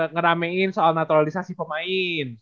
ngeramein soal naturalisasi pemain